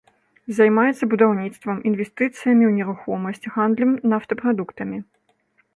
Займаецца будаўніцтвам, інвестыцыямі ў нерухомасць, гандлем нафтапрадуктамі.